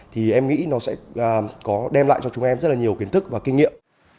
thì em nghĩ nó sẽ đem lại cho chúng em rất nhiều kiến thức và kinh nghiệm